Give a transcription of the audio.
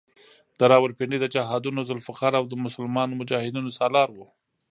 د راولپنډۍ د جهادونو ذوالفقار او د مسلمانو مجاهدینو سالار وو.